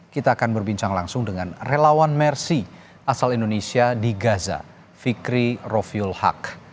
kita akan berbincang langsung dengan relawan mersi asal indonesia di gaza fikri rofiul haq